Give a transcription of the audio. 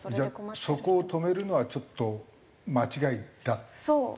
じゃあそこを止めるのはちょっと間違いだ？